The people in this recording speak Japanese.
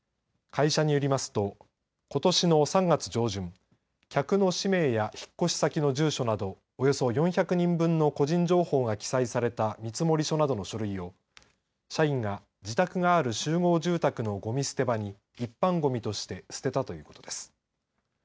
会社によりますとことしの３月上旬客の氏名や引っ越し先の住所などおよそ４００人分の個人情報が記載された見積書などの書類を社員が自宅がある集合住宅のごみ捨て場に一般ごみとして捨てたということです。